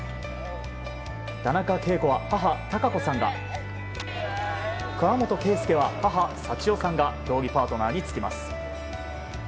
田中恵子は母・孝子さんが河本圭亮は母・幸代さんが競技パートナーに就きます。